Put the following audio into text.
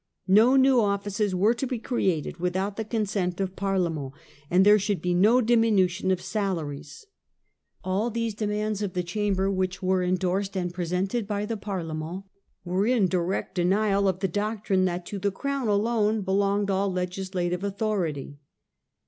No new offices were to be created without the consent of Parliament, and there should be no dimipution of salaries. All these demands of the 1648. Concessions of the Court 33 Chamber, which were endorsed and presented by the Parlement , were in direct denial of the doctrine that to the Crown alone belonged all legislative authority.